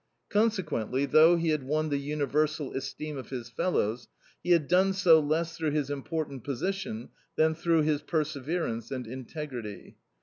Consequently, though he had won the universal esteem of his fellows, he had done so less through his important position than through his perseverance and integrity.